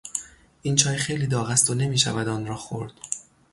این چای خیلی داغ است و نمیشود آن را خورد.